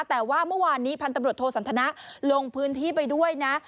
แต่ว่าเมื่อวานนี้พันตำรวจโทสันทนะลงพื้นที่ไปด้วยนะ